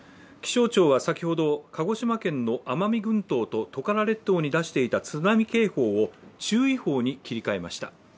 気象庁は先ほど鹿児島県の奄美群島とトカラ列島に出していた津波警報を注意報に切り替えました。